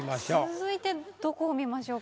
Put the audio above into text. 続いてどこを見ましょうか？